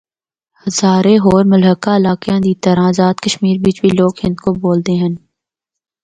ہزارے ہور ملحقہ علاقیاں دی طرح ٓازاد کشمیر بچ بھی لوگ ہندکو بُولدے ہن۔